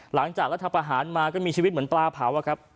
หลังจากรัฐพาหารมาก็มีชีวิตเหมือนปลาเผาว่าครับ